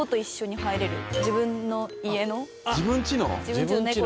自分ちの？